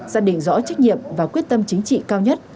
xác định rõ trách nhiệm và quyết tâm chính trị cao nhất